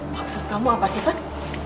maksud kamu apa sih van